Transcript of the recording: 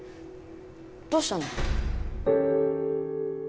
どうしたの？